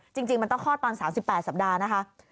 จริงมันต้องคลอดตอน๓๘สัปดาห์นะคะ